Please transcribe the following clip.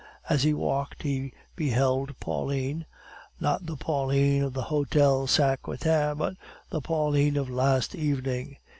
As he walked he beheld Pauline not the Pauline of the Hotel Saint Quentin, but the Pauline of last evening.